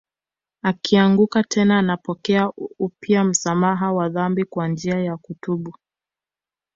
Akianguka tena anapokea upya msamaha wa dhambi kwa njia ya kutubu